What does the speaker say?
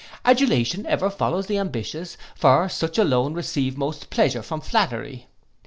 Adulation ever follows the ambitious; for such alone receive most pleasure from flattery.